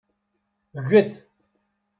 Gget.